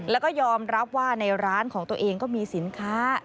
แล้วก็ยอมรับว่าในร้านของตัวเองก็มีสินค้า